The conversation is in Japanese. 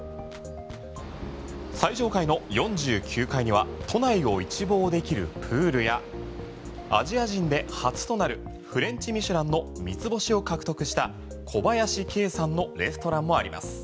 最上階の４９階には都内を一望できるプールやアジア人で初となるフレンチミシュランの３つ星を獲得した小林圭さんのレストランもあります。